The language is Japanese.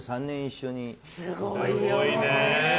すごいね。